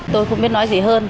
tôi không biết nói gì hơn